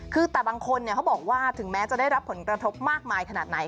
คือแต่บางคนเขาบอกว่าถึงแม้จะได้รับผลกระทบมากมายขนาดไหน